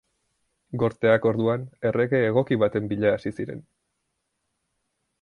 Gorteak orduan errege egoki baten bila hasi ziren.